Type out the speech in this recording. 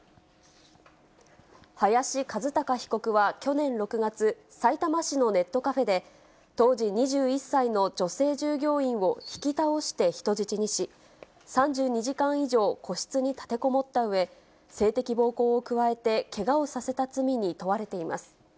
林一貴被告は去年６月、さいたま市のネットカフェで、当時２１歳の女性従業員を引き倒して人質にし、３２時間以上、個室に立てこもったうえ、性的暴行をくわえてけがをさせた罪に問われています。